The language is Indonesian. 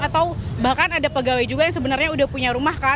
atau bahkan ada pegawai juga yang sebenarnya udah punya rumah kan